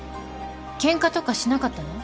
ケンカとかしなかったの？